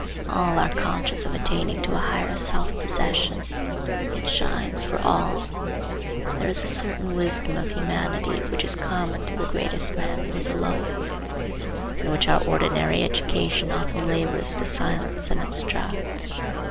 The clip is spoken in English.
All are conscious of attaining to a higher self possession. It shines for all. There is a certain wisdom of humanity which is common to the greatest men with the lowest, and which our ordinary education often labors to silence and obstruct.